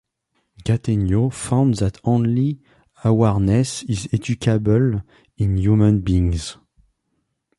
Gattegno found that only awareness is educable in human beings.